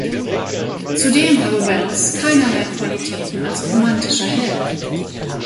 Zudem habe Welles keinerlei Qualitäten als romantischer Held.